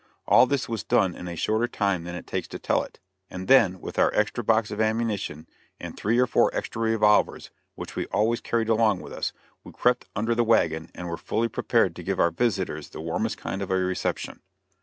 All this was done in a shorter time than it takes to tell it; and then, with our extra box of ammunition and three or four extra revolvers, which we always carried along with us, we crept under the wagon and were fully prepared to give our visitors the warmest kind of a reception.